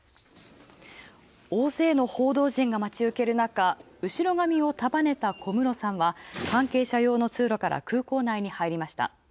大勢の報道陣が待ち受けるなか後ろ髪を束ねた小室さんは、関係者用の通路から空港に入りました。